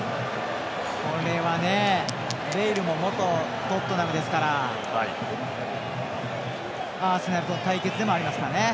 これはベイルも元トットナムですからアーセナルとの対決でもあります。